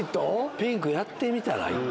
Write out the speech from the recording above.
ピンクやってみたら、一回。